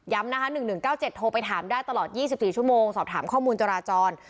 นะคะ๑๑๙๗โทรไปถามได้ตลอด๒๔ชั่วโมงสอบถามข้อมูลจราจร